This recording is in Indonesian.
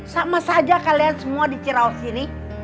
sama saja kalian semua di ciraus ini